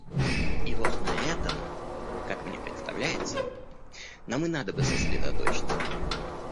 И вот на этом, как мне представляется, нам и надо бы сосредоточиться.